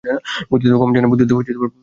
বুদ্ধিতেও কম যায় না।